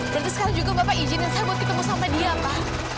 berarti sekarang juga bapak izinin saya buat ketemu sama dia pak